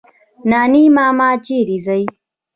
نانی ماما چيري ځې؟